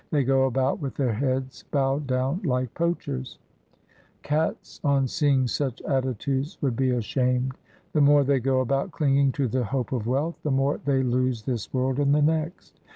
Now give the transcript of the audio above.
They go about with their heads bowed down like poachers ; cats on seeing such attitudes would be ashamed. The more they go about clinging to the hope of wealth, the more they lose this world and the next.